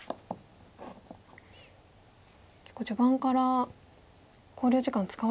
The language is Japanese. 結構序盤から考慮時間使われてますね。